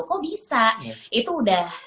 kok bisa itu udah